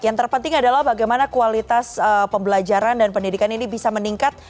yang terpenting adalah bagaimana kualitas pembelajaran dan pendidikan ini bisa meningkat